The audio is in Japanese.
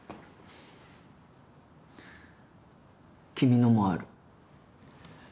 君のもある